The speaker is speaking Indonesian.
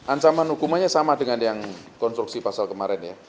ancaman hukumannya sama dengan yang konstruksi pasal kemarin ya